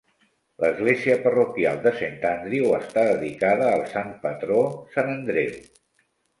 L'església parroquial de Saint Andrew, està dedicada al sant patró, Sant Andreu.